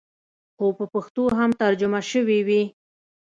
خو په پښتو هم ترجمه سوې وې.